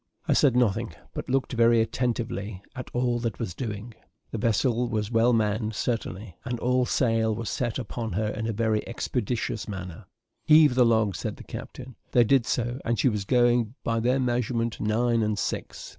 I said nothing, but looked very attentively to all that was doing. The vessel was well manned, certainly, and all sail was set upon her in a very expeditious manner. "Heave the log," said the captain. They did so; and she was going, by their measurement, nine and six.